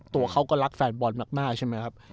ตัวเขาก็รักแฟนบอลมากใช่ไหมครับ